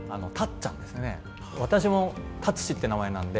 私も辰史って名前なんで。